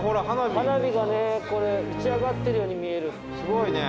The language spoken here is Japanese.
花火がねこれ打ち上がってるように見える。